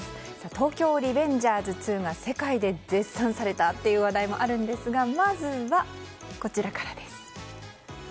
「東京リベンジャーズ２」が世界で絶賛された話題もありますがまずは、こちらからです。